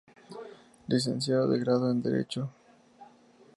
Licenciado de Grado en Derecho.